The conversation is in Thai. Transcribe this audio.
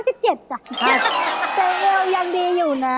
แต่เอวยังดีอยู่นะ